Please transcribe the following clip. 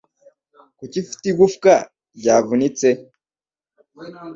Kuki ufite igufwa ryavunitse?